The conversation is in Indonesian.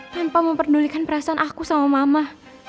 tanpa memperdulikan perasaan aku sama mama